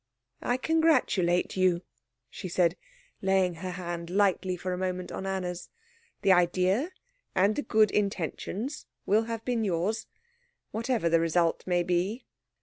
"I congratulate you," she said, laying her hand lightly for a moment on Anna's. "The idea and the good intentions will have been yours, whatever the result may be."